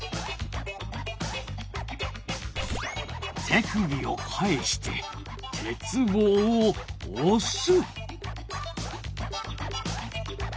手首を返して鉄棒をおす。